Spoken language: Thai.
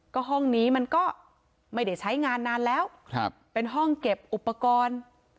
ก็ห้องนี้มันก็ไม่ได้ใช้งานนานแล้วเป็นห้องเก็บอุปกรณ์